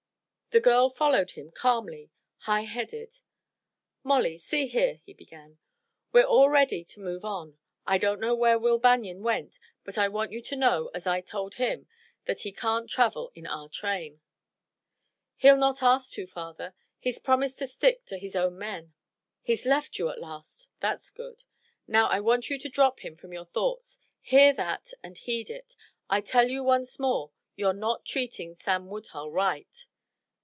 The girl followed him calmly, high headed. "Molly, see here," he began. "We're all ready to move on. I don't know where Will Banion went, but I want you to know, as I told him, that he can't travel in our train." "He'll not ask to, father. He's promised to stick to his own men." "He's left you at last! That's good. Now I want you to drop him from your thoughts. Hear that, and heed it. I tell you once more, you're not treating Sam Woodhull right."